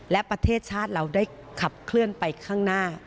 และประเทศชาติเราได้ขับเคลื่อนไปข้างหน้า